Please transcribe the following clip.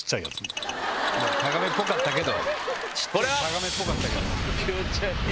タガメっぽかったけど。